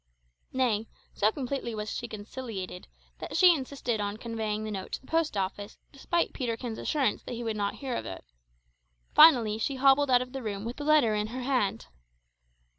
Nay, so completely was she conciliated, that she insisted on conveying the note to the post office, despite Peterkin's assurance that he would not hear of it. Finally she hobbled out of the room with the letter in her hand.